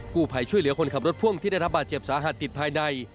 ผู้ภัยช่วยเหลือคนขับรถพ่วงที่ได้รับบาดเจ็บสาหัสติดภายใน